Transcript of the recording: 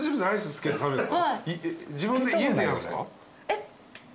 えっ？